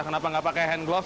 kenapa nggak pakai hand gloves